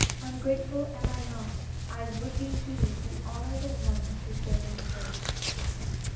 Ungrateful am I not — I would be he Who honor to the one deserving pays.